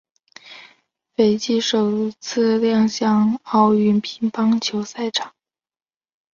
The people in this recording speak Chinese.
斐济首次亮相奥运乒乓球赛场。